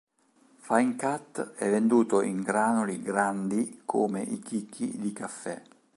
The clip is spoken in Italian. Fine cut è venduto in granuli grandi come i chicchi di caffè.